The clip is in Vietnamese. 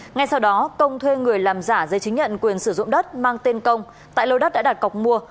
ngay sau đó công thuê người làm giả giấy chứng nhận quyền sử dụng đất mang tên công tại lô đất đã đặt cọc mua